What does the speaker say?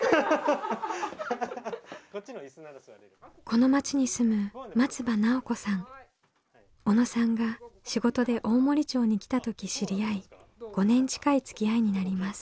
この町に住む小野さんが仕事で大森町に来た時知り合い５年近いつきあいになります。